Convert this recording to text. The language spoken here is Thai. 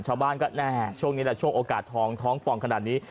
ช่วงนี้ช่วงโอกาสท้องท้องปล่องขนาดนี้